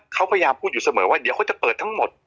เขาพยายามพูดอยู่เสมอว่าเดี๋ยวเขาจะเปิดทั้งหมด